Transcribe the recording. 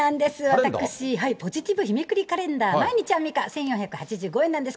私、ポジティブ日めくりカレンダー、毎日アンミカ１４８５円なんです。